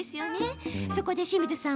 そこで清水さん